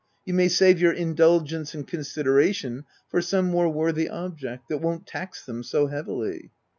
You may save your indulgence and consideration for some more worthy object, that won't tax them so heavily."